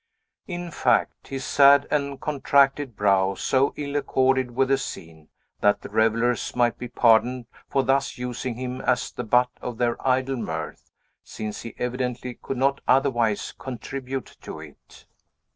In fact, his sad and contracted brow so ill accorded with the scene, that the revellers might be pardoned for thus using him as the butt of their idle mirth, since he evidently could not otherwise contribute to it.